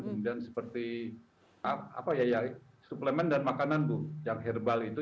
kemudian seperti suplemen dan makanan bu yang herbal itu